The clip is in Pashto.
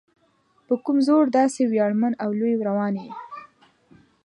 په کوم زور داسې ویاړمن او لوی روان یې؟